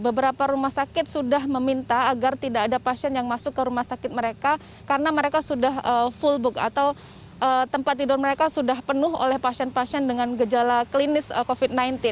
beberapa rumah sakit sudah meminta agar tidak ada pasien yang masuk ke rumah sakit mereka karena mereka sudah full book atau tempat tidur mereka sudah penuh oleh pasien pasien dengan gejala klinis covid sembilan belas